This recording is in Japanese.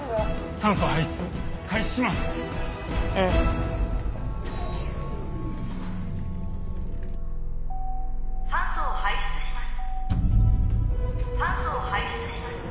酸素を排出します。